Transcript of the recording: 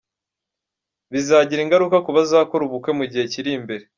Bizagira ingaruka ku bazakora ubukwe mu gihe kiri imbere.